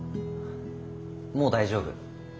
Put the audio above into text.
もう大丈夫。